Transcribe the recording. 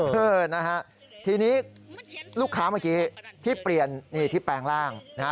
เออนะฮะทีนี้ลูกค้าเมื่อกี้ที่เปลี่ยนนี่ที่แปลงร่างนะฮะ